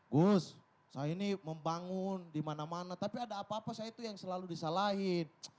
gus saya ini membangun di mana mana tapi ada apa apa saya itu yang selalu disalahin